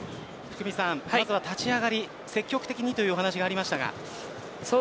まずは立ち上がり積極的にという話がありました。